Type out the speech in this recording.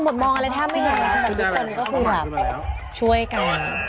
หมดมองอะไรถ้าไม่เห็นแล้วกันพี่ฝนก็คือแบบช่วยกัน